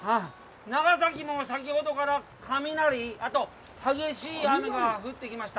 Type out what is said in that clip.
長崎も先ほどから雷、あと、激しい雨が降ってきました。